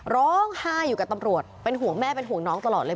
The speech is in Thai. ร้องไห้อยู่กับตำรวจเป็นห่วงแม่เป็นห่วงน้องตลอดเลย